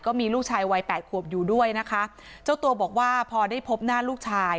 ลูกชายวัยแปดขวบอยู่ด้วยนะคะเจ้าตัวบอกว่าพอได้พบหน้าลูกชาย